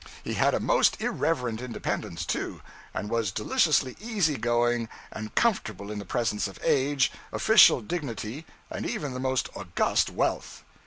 He had a most irreverent independence, too, and was deliciously easy going and comfortable in the presence of age, official dignity, and even the most august wealth.